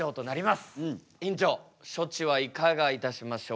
院長処置はいかがいたしましょうか？